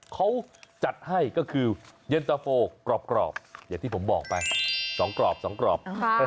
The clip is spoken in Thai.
เขาจัดให้ก็คือเย็นตะโฟกรอบอย่างที่ผมบอกไป๒กรอบ๒กรอบ